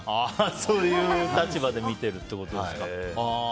そういう立場で見てるってことですか。